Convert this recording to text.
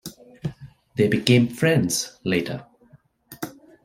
They became friends later.